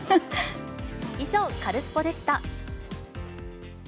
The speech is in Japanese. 以上、カルスポっ！でした。